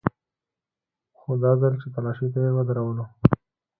خو دا ځل چې تلاشۍ ته يې ودرولو.